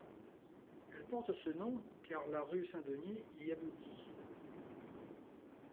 Elle porte ce nom car la rue Saint-Denis y aboutit.